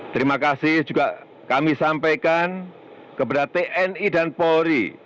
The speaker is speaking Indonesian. terima kasih juga kami sampaikan kepada tni dan polri